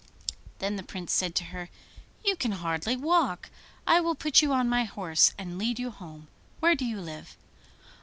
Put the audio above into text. Then the Prince said to her, 'You can hardly walk; I will put you on my horse and lead you home. Where do you live?